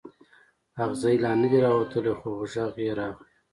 اغزی لا نه دی راوتلی خو غږ یې راغلی.